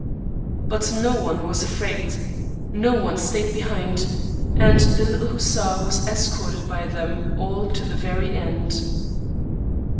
But no one was afraid, no one stayed behind, and the little hussar was escorted by them all to the very end.